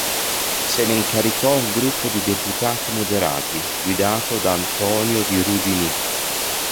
Se ne incaricò un gruppo di deputati moderati, guidato da Antonio Di Rudinì.